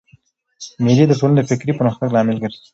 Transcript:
مېلې د ټولني د فکري پرمختګ لامل ګرځي.